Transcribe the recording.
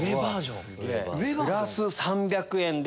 プラス３００円です。